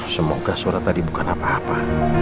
semoga suara tadi bukan apa apa